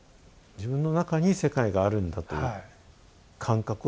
自分の中に世界があるんだという感覚をつかまれた？